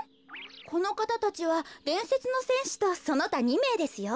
このかたたちはでんせつのせんしとそのた２めいですよ。